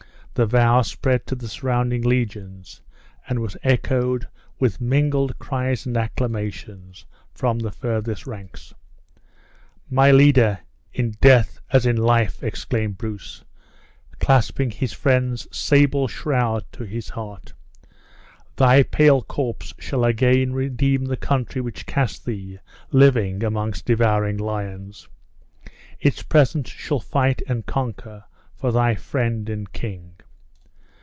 The vow spread to the surrounding legions, and was echoed, with mingled cries and acclamations, from the furthest ranks. "My leader, in death as in life!" exclaimed Bruce, clasping his friend's sable shroud to his heart; "thy pale corpse shall again redeem the country which cast thee, living, amongst devouring lions! Its presence shall fight and conquer for thy friend and king!"